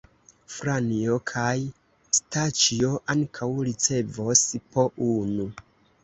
Franjo kaj Staĉjo ankaŭ ricevos po unu.